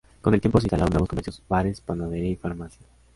Con el tiempo se instalaron nuevos comercios, bares, panadería y farmacia.